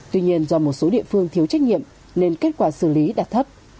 tuy nhiên do một số địa phương thiếu trách nhiệm nên kết quả xử lý đạt thấp